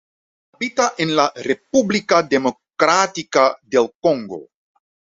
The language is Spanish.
Habita en la República Democrática del Congo.